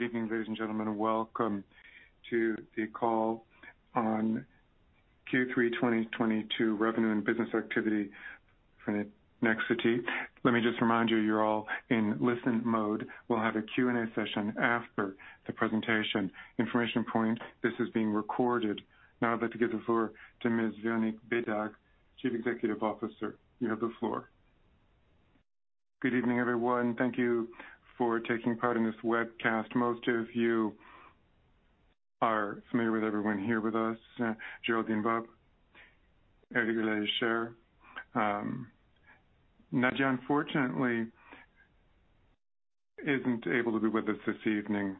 Good evening, ladies and gentlemen. Welcome to the call on Q3 2022 revenue and business activity for Nexity. Let me just remind you're all in listen mode. We'll have a Q&A session after the presentation. Information point, this is being recorded. Now I'd like to give the floor to Ms. Véronique Bédague, Chief Executive Officer. You have the floor. Good evening, everyone. Thank you for taking part in this webcast. Most of you are familiar with everyone here with us, Géraldine Bopp, Eric Lalechère. Nadia, unfortunately, isn't able to be with us this evening.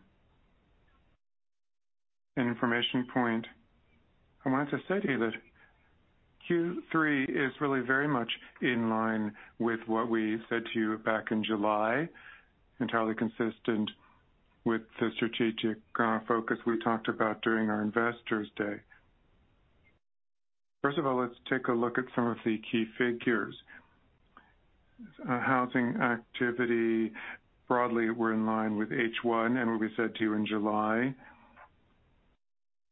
An information point, I wanted to say to you that Q3 is really very much in line with what we said to you back in July, entirely consistent with the strategic focus we talked about during our Investor Day. First of all, let's take a look at some of the key figures. Housing activity, broadly, we're in line with H1 and what we said to you in July.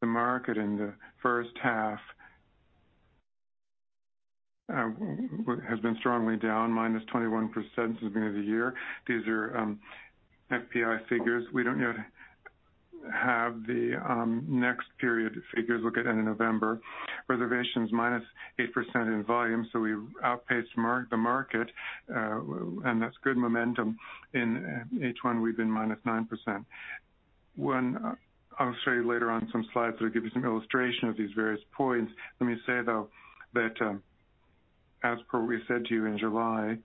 The market in the first half has been strongly down -21% since the beginning of the year. These are FPI figures. We don't yet have the next period figures. We'll get end of November. Reservations -8% in volume, so we outpaced the market, and that's good momentum. In H1, we've been -9%. I'll show you later on some slides that will give you some illustration of these various points. Let me say, though, that as we said to you in July,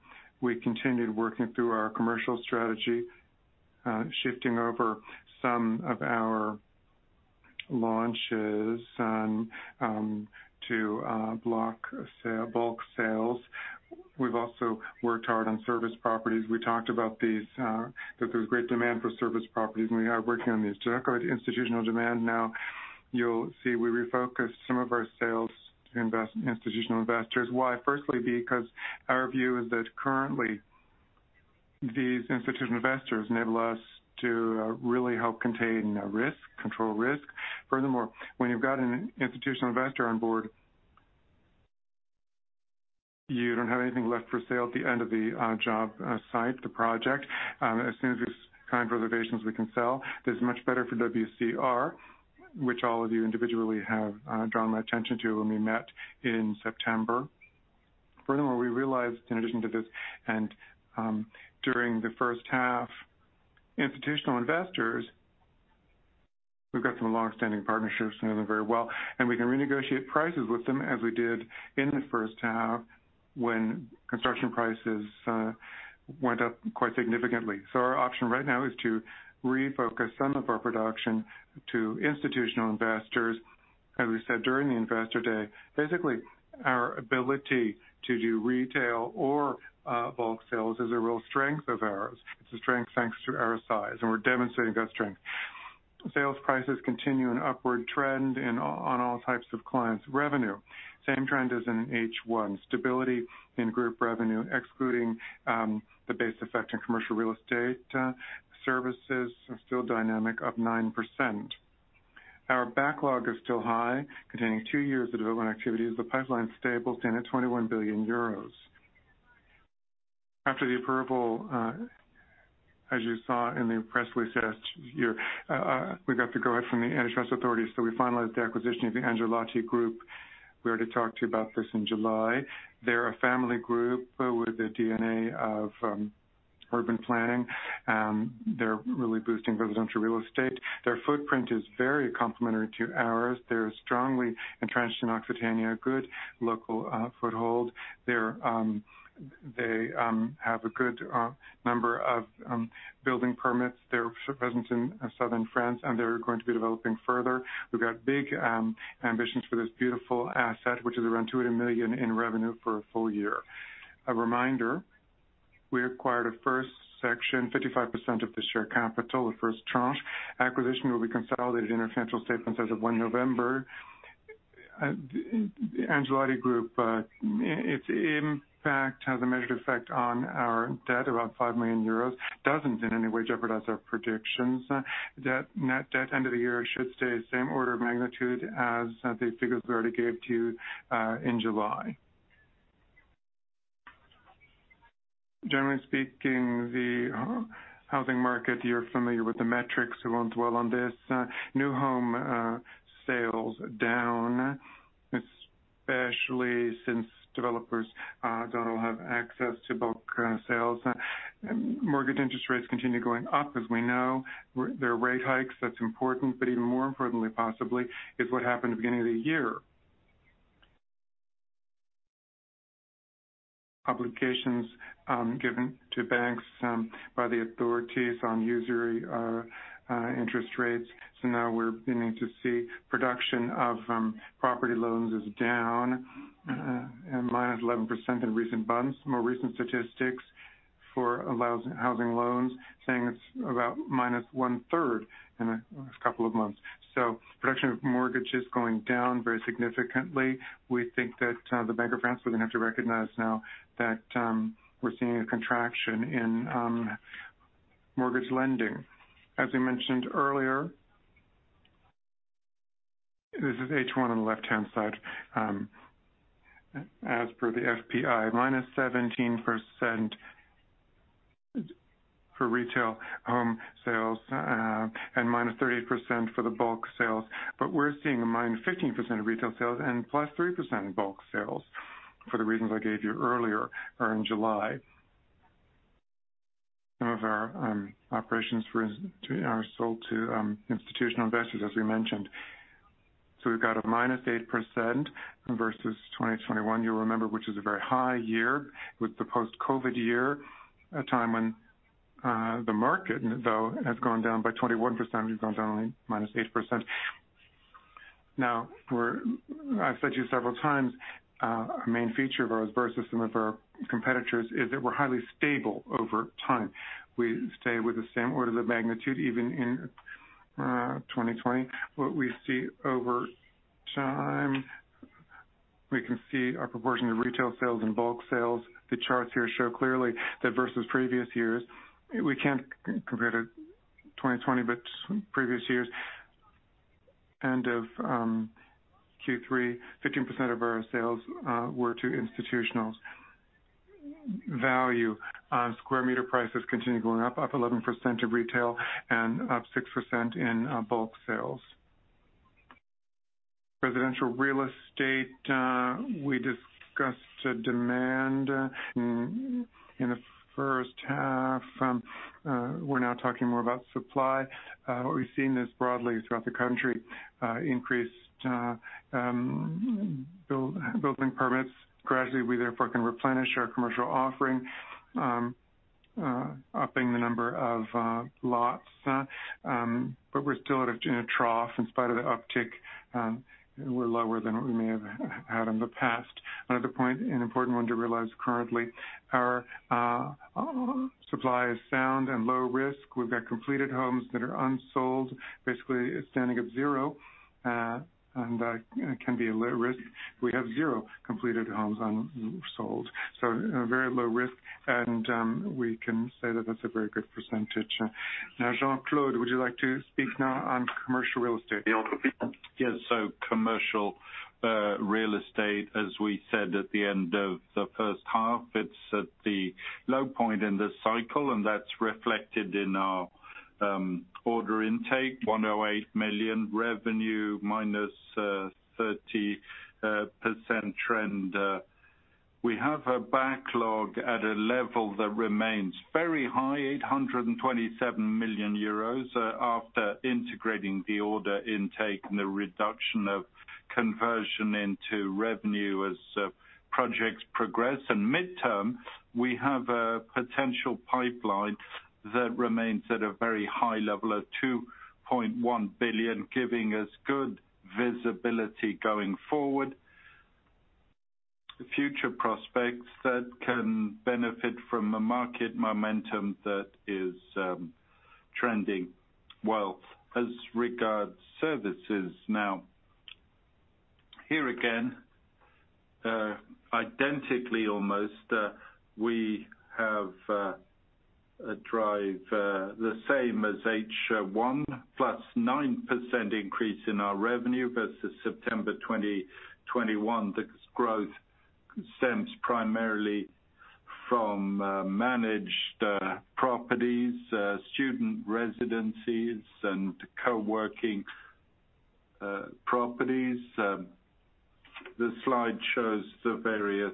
we continued working through our commercial strategy, shifting over some of our launches and to bulk sales. We've also worked hard on service properties. We talked about these, that there's great demand for service properties, and we are working on these. To echo the institutional demand now, you'll see we refocused some of our sales to institutional investors. Why? Firstly, because our view is that currently these institutional investors enable us to really help contain risk, control risk. Furthermore, when you've got an institutional investor on board, you don't have anything left for sale at the end of the job site, the project. As soon as we've signed reservations, we can sell. That's much better for WCR, which all of you individually have drawn my attention to when we met in September. Furthermore, we realized in addition to this and during the first half, institutional investors, we've got some long-standing partnerships, know them very well, and we can renegotiate prices with them as we did in the first half when construction prices went up quite significantly. Our option right now is to refocus some of our production to institutional investors. As we said during the Investor Day, basically, our ability to do retail or bulk sales is a real strength of ours. It's a strength thanks to our size, and we're demonstrating that strength. Sales prices continue an upward trend in on all types of clients. Revenue, same trend as in H1. Stability in group revenue, excluding the base effect in commercial real estate. Services are still dynamic, up 9%. Our backlog is still high, containing two years of development activities. The pipeline stable, standing at 21 billion euros. After the approval, as you saw in the press release last year, we got the go-ahead from the antitrust authorities, so we finalized the acquisition of the Angelotti Group. We already talked to you about this in July. They're a family group with the DNA of urban planning. They're really boosting residential real estate. Their footprint is very complementary to ours. They're strongly entrenched in Occitania, good local foothold. They have a good number of building permits. They're present in Southern France, and they're going to be developing further. We've got big ambitions for this beautiful asset, which is around 200 million in revenue for a full year. A reminder, we acquired a first section, 55% of the share capital, the first tranche. Acquisition will be consolidated in our financial statements as of 1 November. Angelotti Group, it in fact has a measured effect on our debt, about 5 million euros. Doesn't in any way jeopardize our predictions. Net debt end of the year should stay the same order of magnitude as the figures we already gave to you in July. Generally speaking, the housing market, you're familiar with the metrics. We won't dwell on this. New home sales down, especially since developers, don't all have access to bulk sales. Mortgage interest rates continue going up, as we know. There are rate hikes. That's important, but even more importantly, possibly, is what happened at the beginning of the year. Obligations, given to banks, by the authorities on usury interest rates. Now we're beginning to see production of property loans is down and -11% in recent months. More recent statistics for housing loans saying it's about minus one-third in a couple of months. Production of mortgages going down very significantly. We think that the Bank of France is going to have to recognize now that we're seeing a contraction in mortgage lending. As we mentioned earlier. This is H1 on the left-hand side. As per the FPI, -17% for retail home sales, and -30% for the bulk sales. We're seeing a -15% of retail sales and +3% in bulk sales for the reasons I gave you earlier or in July. Some of our operations are sold to institutional investors, as we mentioned. We've got a -8% versus 2021, you'll remember, which is a very high year with the post-COVID year, a time when the market though has gone down by 21%. We've gone down only -8%. Now, we're—I've said to you several times our main feature versus some of our competitors is that we're highly stable over time. We stay with the same order of the magnitude even in 2020. What we see over time, we can see our proportion of retail sales and bulk sales. The charts here show clearly that versus previous years, we can't compare to 2020, but previous years, end of Q3, 15% of our sales were to institutionals. Value, square meter prices continue going up 11% in retail and up 6% in bulk sales. Residential real estate, we discussed demand in the first half. We're now talking more about supply. What we've seen is broadly throughout the country, increased building permits. Gradually, we therefore can replenish our commercial offering, upping the number of lots. But we're still in a trough in spite of the uptick. We're lower than what we may have had in the past. Another point, an important one to realize currently, our supply is sound and low risk. We've got completed homes that are unsold. Basically, it's standing at zero, and that can be a low risk. We have zero completed homes unsold, so a very low risk. We can say that that's a very good percentage. Now, Jean-Claude, would you like to speak now on Commercial Real Estate? Yes. Commercial Real Estate, as we said at the end of the first half, it's at the low point in this cycle, and that's reflected in our order intake, 108 million revenue, -30% trend. We have a backlog at a level that remains very high, 827 million euros, after integrating the order intake and the reduction of conversion into revenue as projects progress. Midterm, we have a potential pipeline that remains at a very high level of 2.1 billion, giving us good visibility going forward. Future prospects that can benefit from a market momentum that is trending well. As regards services now, here again, identically almost, we have a drive the same as H1, +9% increase in our revenue versus September 2021. The growth stems primarily from managed properties, student residencies and co-working properties. The slide shows the various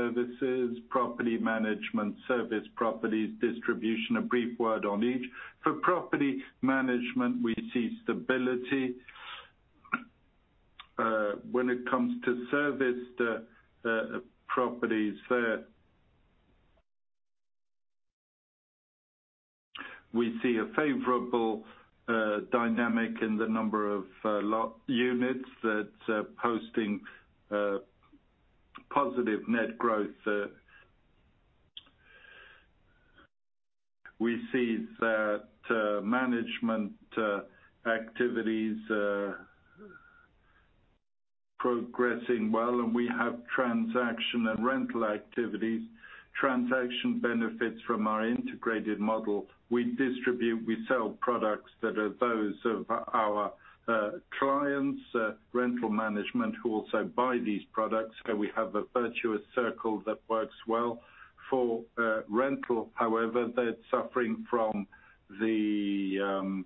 services, property management, serviced properties, distribution, a brief word on each. For Property Management, we see stability. When it comes to serviced properties, we see a favorable dynamic in the number of units that are posting positive net growth. We see that management activities progressing well, and we have transaction and rental activities. Transaction benefits from our integrated model. We distribute, we sell products that are those of our clients, rental management, who also buy these products. We have a virtuous circle that works well. For rental, however, they're suffering from the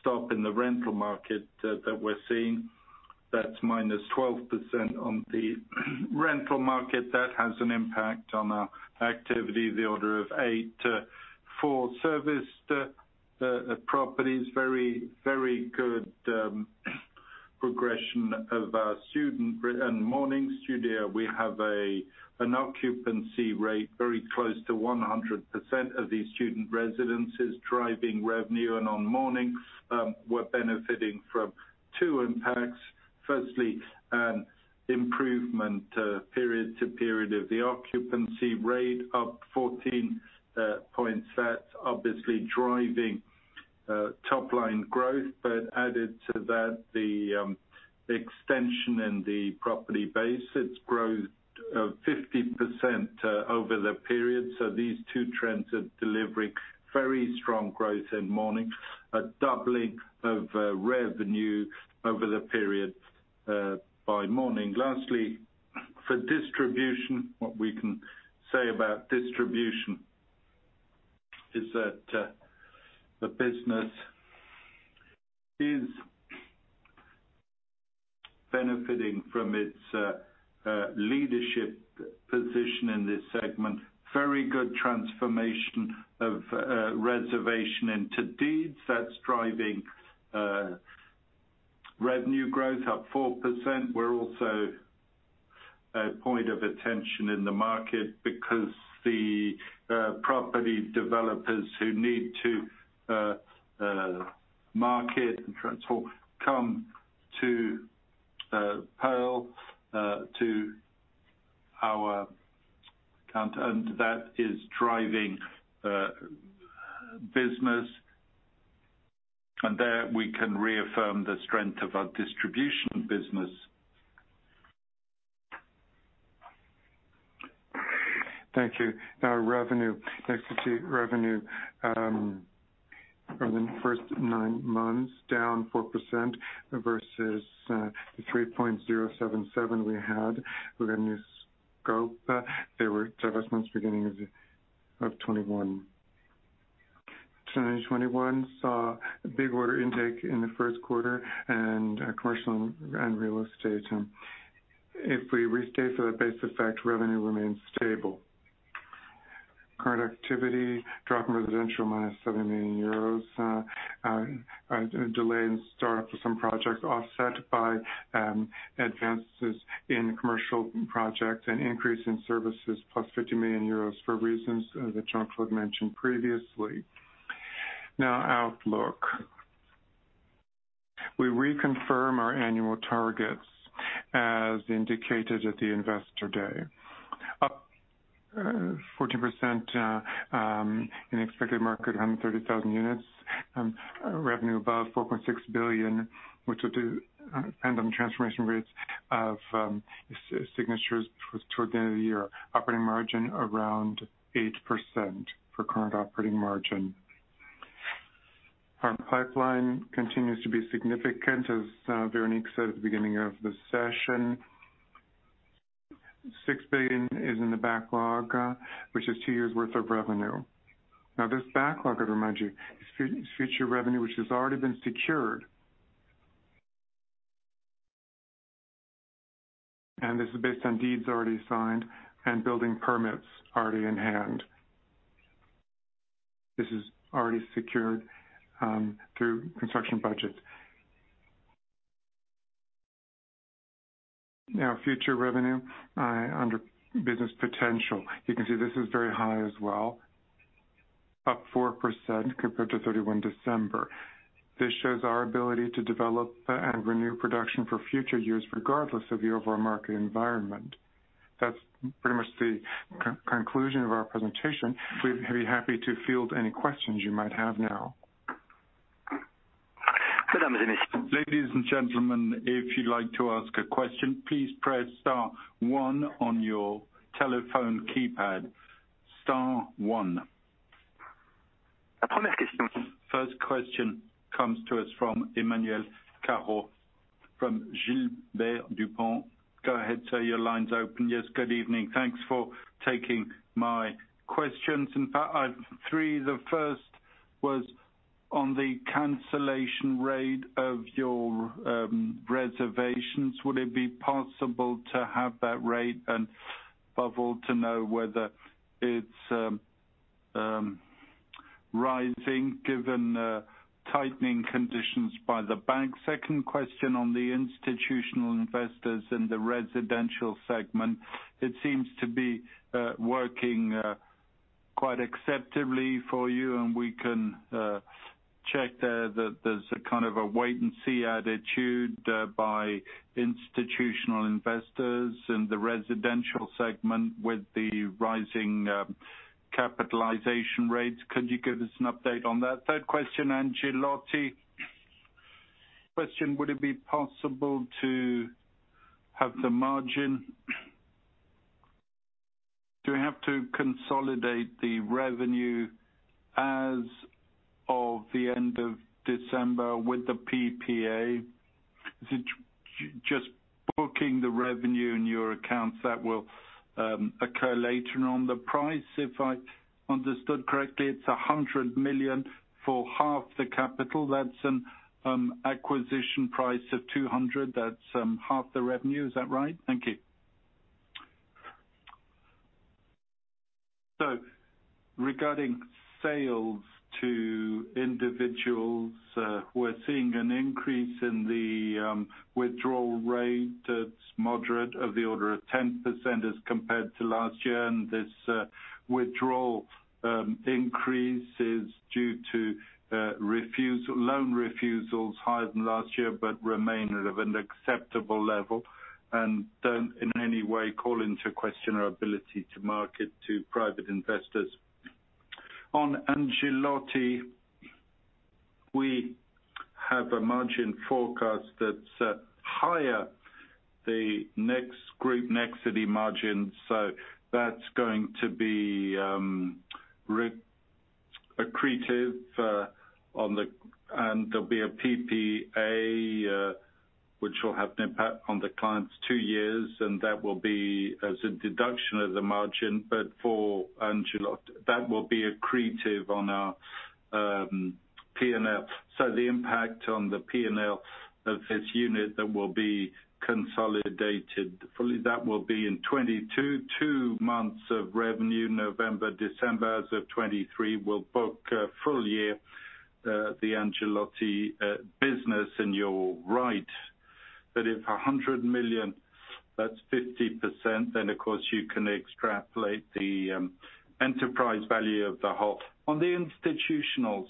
stop in the rental market that we're seeing. That's -12% on the rental market. That has an impact on our activity, the order of eight. For serviced properties, very good progression of our student residences and Morning [Coworking]. We have an occupancy rate very close to 100% of these student residences driving revenue. On Morning, we're benefiting from two impacts. Firstly, an improvement period to period of the occupancy rate up 14 points. That's obviously driving top-line growth. Added to that, the extension in the property base, it's growth of 50% over the period. These two trends are delivering very strong growth in Morning, a doubling of revenue over the period by Morning. Lastly, for distribution, what we can say about distribution is that the business is benefiting from its leadership position in this segment. Very good transformation of reservation into deeds that's driving revenue growth up 4%. We're also a point of attention in the market because the property developers who need to market and transform come to PERL to our account, and that is driving business. There we can reaffirm the strength of our distribution business. Thank you. Now revenue. Thanks to revenue from the first nine months, down 4% versus the 3.077 we had within this scope. There were divestments beginning of 2021. 2021 saw a big order intake in the first quarter and commercial and real estate. If we restate for the base effect, revenue remains stable. Current activity, drop in residential -70 million euros, delay in startup for some projects offset by advances in commercial projects and increase in services +50 million euros for reasons that Jean-Claude mentioned previously. Now, outlook. We reconfirm our annual targets as indicated at the Investor Day. Up 14% in expected market, 130,000 units. Revenue above 4.6 billion, which will depend on transformation rates of signatures towards the end of the year. Operating margin around 8% for current operating margin. Our pipeline continues to be significant. As Véronique said at the beginning of the session, 6 billion is in the backlog, which is two years worth of revenue. Now, this backlog, I'd remind you, is future revenue, which has already been secured. This is based on deeds already signed and building permits already in hand. This is already secured through construction budgets. Now, future revenue under business potential. You can see this is very high as well, up 4% compared to 31 December. This shows our ability to develop and renew production for future years, regardless of the overall market environment. That's pretty much the conclusion of our presentation. We'd be happy to field any questions you might have now. Ladies and gentlemen, if you'd like to ask a question, please press star one on your telephone keypad. Star one. First question comes to us from Emmanuel Caro, from Gilbert Dupont. Go ahead, sir. Your line's open. Yes, good evening. Thanks for taking my questions. In fact, I have three. The first was on the cancellation rate of your reservations. Would it be possible to have that rate and above all to know whether it's rising given the tightening conditions by the bank? Second question on the institutional investors in the residential segment, it seems to be working quite acceptably for you, and we can check that there's a kind of a wait and see attitude by institutional investors in the residential segment with the rising capitalization rates. Could you give us an update on that? Third question, Angelotti. Question, would it be possible to have the margin? Do we have to consolidate the revenue as of the end of December with the PPA? Is it just booking the revenue in your accounts that will occur later on the price? If I understood correctly, it's 100 million for half the capital. That's an acquisition price of 200 million. That's half the revenue. Is that right? Thank you. Regarding sales to individuals, we're seeing an increase in the withdrawal rate that's moderate of the order of 10% as compared to last year. This withdrawal increase is due to loan refusals higher than last year, but remain at an acceptable level and don't in any way call into question our ability to market to private investors. On Angelotti, we have a margin forecast that's higher than the Nexity group margin. That's going to be accretive, and there'll be a PPA, which will have an impact on the P&L two years, and that will be a deduction of the margin. But for Angelotti, that will be accretive on our P&L. The impact on the P&L of this unit that will be consolidated fully, that will be in 2022, two months of revenue, November, December as of 2023. We'll book full year the Angelotti business. You're right, that if 100 million, that's 50%, then of course you can extrapolate the enterprise value of the whole on the institutionals.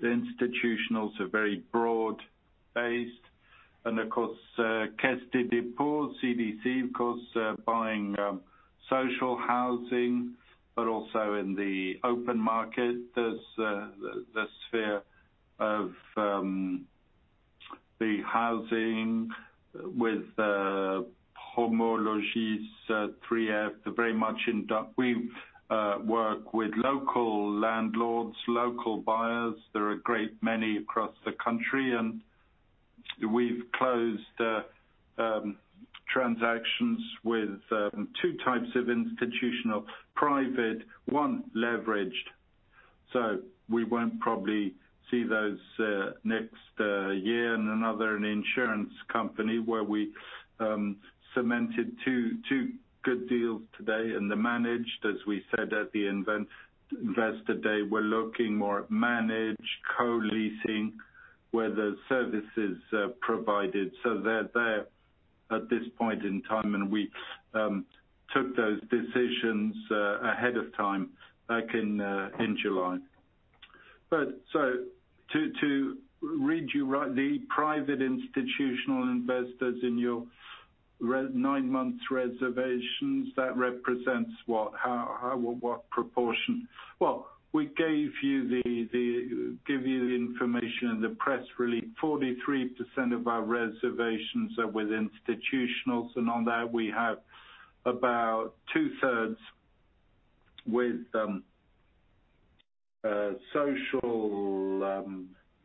The institutionals are very broad-based and of course, Caisse des Dépôts, CDC, of course, are buying social housing, but also in the open market. There's the sphere of the housing with homologise, 3F, they're very much in. We work with local landlords, local buyers. There are a great many across the country, and we've closed transactions with two types of institutional private, one leveraged. We won't probably see those next year. Another, an insurance company where we cemented two good deals today. The managed, as we said at the Investor Day, we're looking more at managed co-leasing where the service is provided. They're there at this point in time, and we took those decisions ahead of time back in July. To read you right, the private institutional investors in our nine months reservations, that represents what? How, what proportion? Well, we gave you the information in the press release. 43% of our reservations are with institutionals, and on that we have about 2/3 with social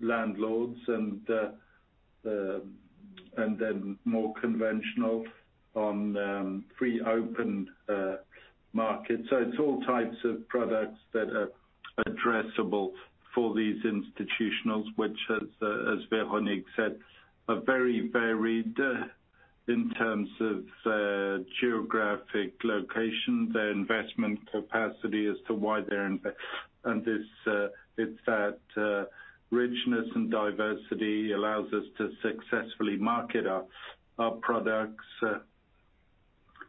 landlords and then more conventional on free open market. It's all types of products that are addressable for these institutionals, which as Véronique Bédague said, are very varied in terms of geographic location, their investment capacity as to why they're invest. It's that richness and diversity allows us to successfully market our products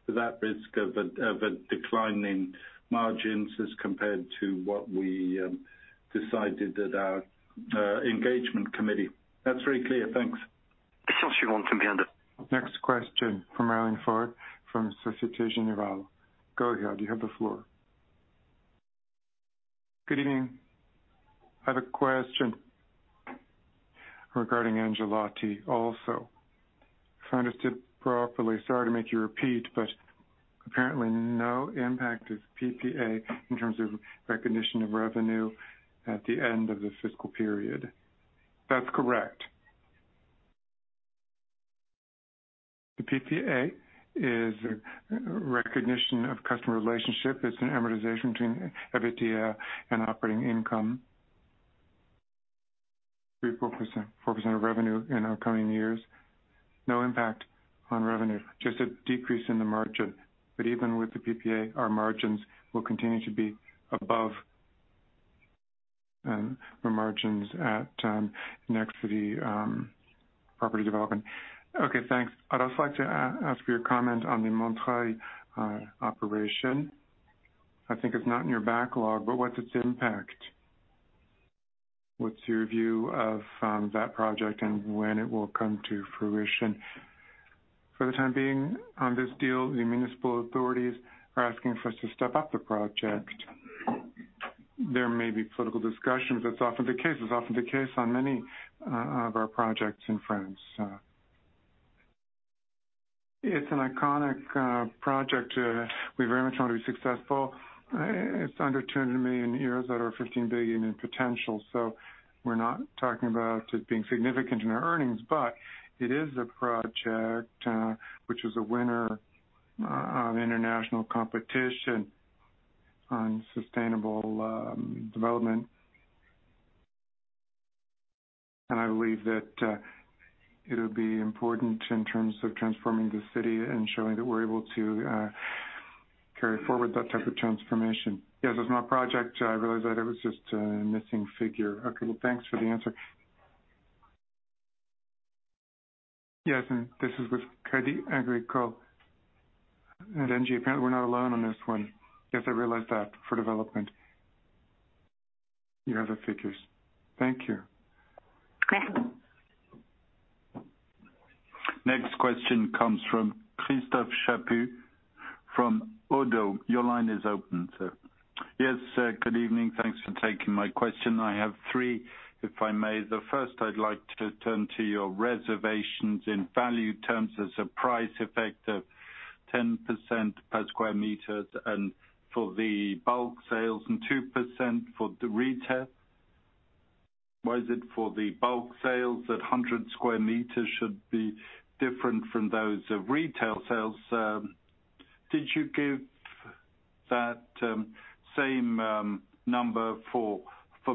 without risk of a decline in margins as compared to what we decided at our engagement committee. That's very clear. Thanks. Next question from Aline Dillard from Société Générale. Go ahead. You have the floor. Good evening. I have a question regarding Angelotti also. If I understood properly, sorry to make you repeat, but apparently no impact of PPA in terms of recognition of revenue at the end of the fiscal period. That's correct. The PPA is a recognition of customer relationship. It's an amortization between EBITDA and operating income. 4% of revenue in our coming years. No impact on revenue, just a decrease in the margin. Even with the PPA, our margins will continue to be above the margins at Nexity property development. Okay, thanks. I'd also like to ask for your comment on the Montreuil operation. I think it's not in your backlog, but what's its impact? What's your view of that project and when it will come to fruition? For the time being on this deal, the municipal authorities are asking for us to step up the project. There may be political discussions. That's often the case. It's often the case on many of our projects in France. It's an iconic project. We very much want to be successful. It's under 200 million euros that are 15 billion in potential, so we're not talking about it being significant in our earnings. It is a project which is a winner of international competition on sustainable development. I believe that it'll be important in terms of transforming the city and showing that we're able to carry forward that type of transformation. Yes, it's my project. I realize that it was just a missing figure. Okay, well, thanks for the answer. Yes, this is with Crédit Agricole. Apparently we're not alone on this one. Yes, I realize that for development. You have the figures. Thank you. Next question comes from Christophe Chaput from ODDO. Your line is open, sir. Yes, good evening. Thanks for taking my question. I have three, if I may. The first, I'd like to turn to your reservations in value terms as a price effect of 10% per square meters, and for the bulk sales and 2% for the retail. Why is it for the bulk sales at 100 sq m should be different from those of retail sales? Did you give that same number for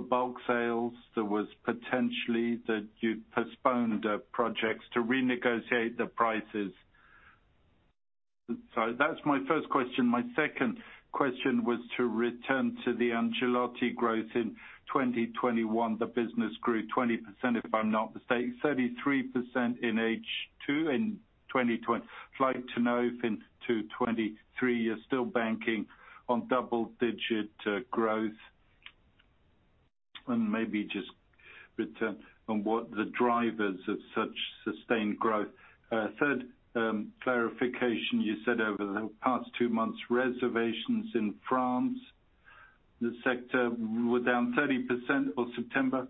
bulk sales that was potentially that you'd postponed the projects to renegotiate the prices? That's my first question. My second question was to return to the Angelotti growth in 2021, the business grew 20%, if I'm not mistaken, 33% in H2 in 2020. I'd like to know if in 2023 you're still banking on double-digit growth, and maybe just return on what the drivers of such sustained growth? Third, clarification. You said over the past two months, reservations in France, the sector were down 30% for September.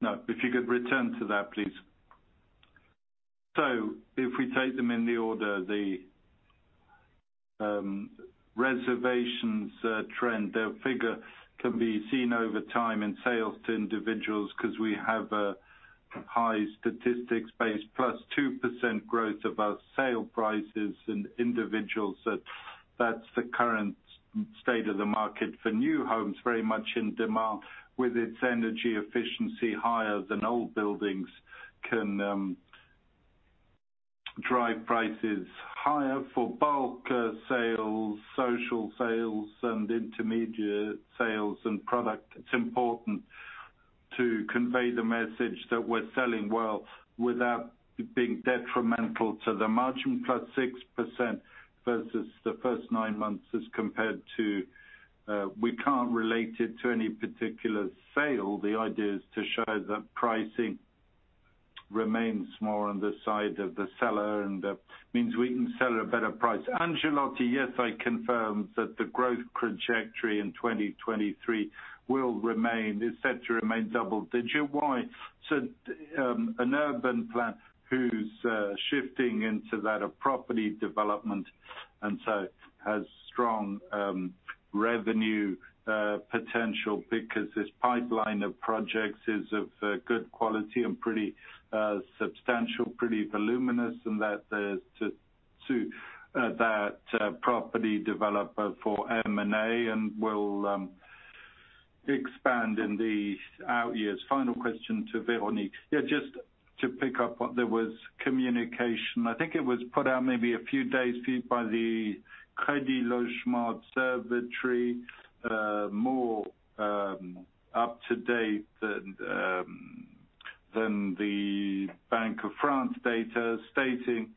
No, if you could return to that, please. If we take them in the order, the reservations trend, the figure can be seen over time in sales to individuals 'cause we have a high statistics base plus 2% growth of our sale prices in individuals. That's the current state of the market for new homes, very much in demand, with its energy efficiency higher than old buildings can drive prices higher. For bulk sales, social sales and intermediate sales and product, it's important to convey the message that we're selling well without it being detrimental to the margin, +6% versus the first nine months as compared to, we can't relate it to any particular sale. The idea is to show that pricing remains more on the side of the seller, and that means we can sell at a better price. Angelotti, yes, I confirm that the growth trajectory in 2023 will remain, is set to remain double-digit. Why? An urban player who's shifting into that of property development, and so has strong revenue potential because this pipeline of projects is of good quality and pretty substantial, pretty voluminous and that property developer for M&A and will expand in the outyears. Final question to Véronique. Yeah, just to pick up on the communication. I think it was put out maybe a few days ago by the Observatoire Crédit Logement/CSA, more up-to-date than the Bank of France data, stating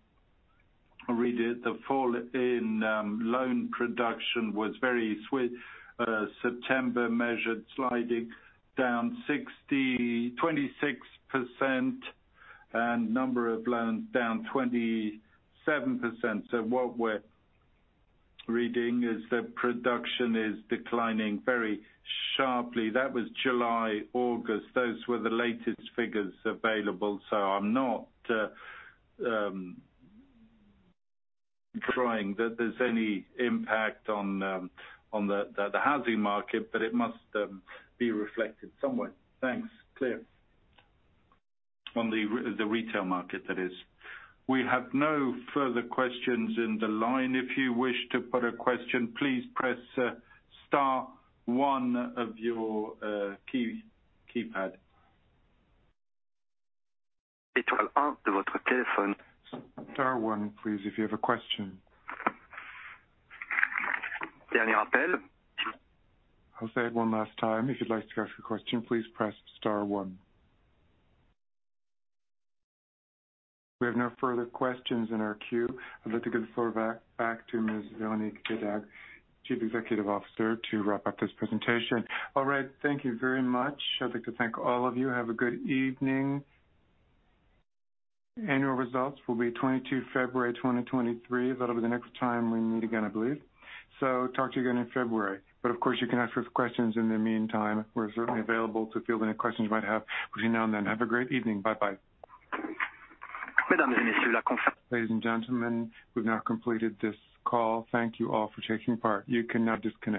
the fall in loan production was very swift. September measured sliding down 26%, and number of loans down 27%. What we're reading is that production is declining very sharply. That was July, August. Those were the latest figures available. I'm not drawing that there's any impact on the housing market, but it must be reflected somewhere. Thanks. Clear. On the retail market, that is. We have no further questions in the line. If you wish to put a question, please press star one of your keypad. Star one, please, if you have a question. I'll say it one last time. If you'd like to ask a question, please press star one. We have no further questions in our queue. I'd like to give the floor back to Ms. Véronique Bédague, Chief Executive Officer, to wrap up this presentation. All right. Thank you very much. I'd like to thank all of you. Have a good evening. Annual results will be 22 February 2023. That'll be the next time we meet again, I believe. Talk to you again in February. Of course you can ask us questions in the meantime. We're certainly available to field any questions you might have between now and then. Have a great evening. Bye-bye. Ladies and gentlemen, we've now completed this call. Thank you all for taking part. You can now disconnect.